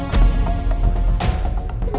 ada apa sih ini